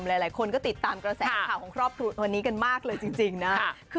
หลายคนก็ติดตามกระแสข่าวของครอบครู